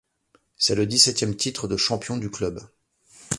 C’est le dix-septième titre de champion du club.